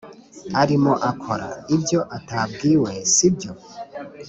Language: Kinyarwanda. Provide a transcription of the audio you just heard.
arimo akora, ibyo atabwiwe si byo?